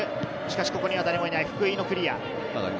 ここには誰もいない、福井のクリア。